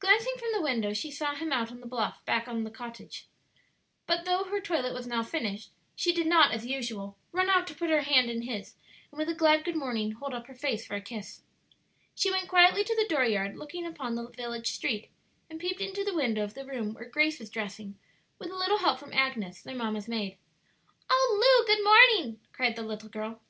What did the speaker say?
Glancing from the window, she saw him out on the bluff back of the cottage; but though her toilet was now finished, she did not, as usual, run out to put her hand in his, and with a glad good morning hold up her face for a kiss. She went quietly to the dooryard looking upon the village street, and peeped into the window of the room where Grace was dressing with a little help from Agnes, their mamma's maid. "Oh, Lu, good morning," cried the little girl.